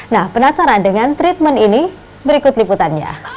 nah penasaran dengan treatment ini berikut liputannya